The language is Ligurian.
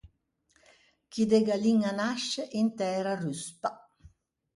Chi de galliña nasce, in tæra ruspa.